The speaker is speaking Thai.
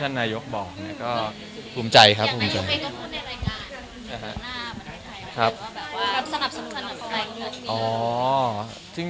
ว่าสนับสนุนของคนไทยคืออะไร